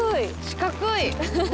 四角い。